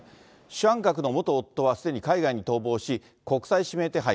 主犯格の元夫はすでに海外に逃亡し、国際指名手配。